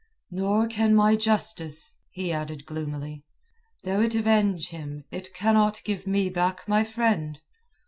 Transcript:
"Nor can my justice," he added gloomily. "Though it avenge him, it cannot give me back my friend."